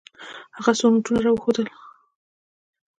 هغه څو نوټونه راوښودل.